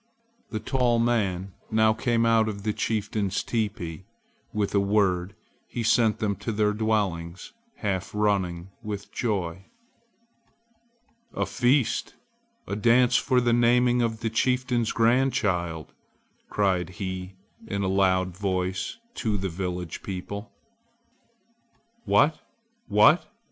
The tall man now came out of the chieftain's teepee. With a word he sent them to their dwellings half running with joy. "A feast! a dance for the naming of the chieftain's grandchild!" cried he in a loud voice to the village people. "What? what?"